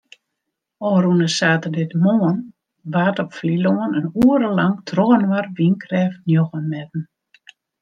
Ofrûne saterdeitemoarn waard op Flylân in oere lang trochinoar wynkrêft njoggen metten.